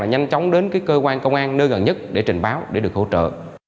nhanh chóng đến cơ quan công an nơi gần nhất để trình báo để được hỗ trợ